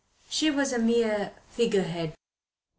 She was a mere figurehead.